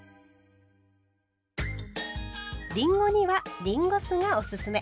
りんごにはりんご酢がおすすめ。